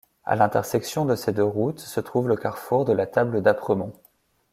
À l'intersection de ces deux routes, se trouve le carrefour de la table d'Apremont.